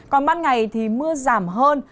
còn ban ngày thì mưa giảm hơn